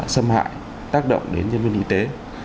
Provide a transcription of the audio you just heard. xâm hại tác động đến nhân viên y tế